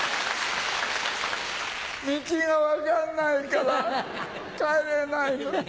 道が分かんないから帰れないの。